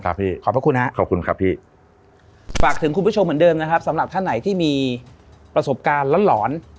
พี่ขอบพระคุณฮะขอบคุณครับพี่ฝากถึงคุณผู้ชมเหมือนเดิมนะครับสำหรับท่านไหนที่มีประสบการณ์หลอนหลอน